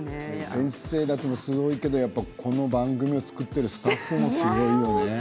先生方もすごいけどこの番組を作っているスタッフもすごいね。